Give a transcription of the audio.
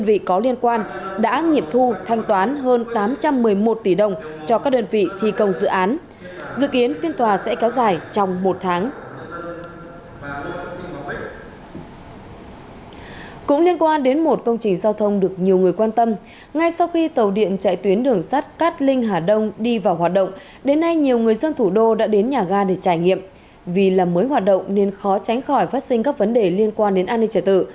vì là mới hoạt động nên khó tránh khỏi phát sinh các vấn đề liên quan đến an ninh trả tự